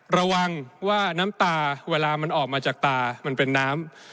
ระวังว่าน้ำตาเวลามันออกมาจากตามันเป็นน้ำ